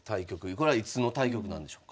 これはいつの対局なんでしょうか。